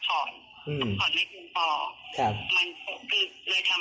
ถูกไหมคะแล้วก็หมอพี่พาก็จัดข่าว